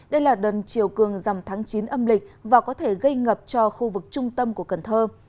đây là đợt chiều cường dầm tháng chín âm lịch và có thể gây ngập cho khu vực trung tâm của cần thơ